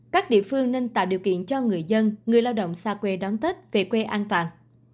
các địa phương nên tạo điều kiện cho người dân người lao động xa quê đón tết về quê an toàn